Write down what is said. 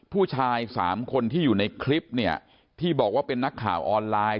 ผู้ชายสามคนที่อยู่ในคลิปเนี่ยที่บอกว่าเป็นนักข่าวออนไลน์